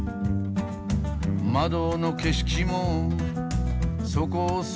「窓の景色もそこそこに」